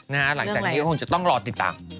หลังจากนี้ก็คงจะต้องรอติดตาม